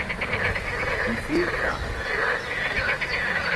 In Full Cry